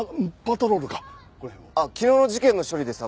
昨日の事件の処理でさ